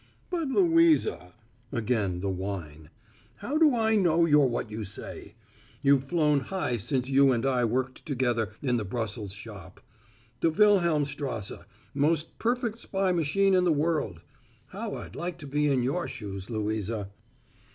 "But, Louisa" again the whine "how do I know you're what you say? You've flown high since you and I worked together in the Brussels shop. The Wilhelmstrasse most perfect spy machine in the world! How I'd like to be in your shoes, Louisa!"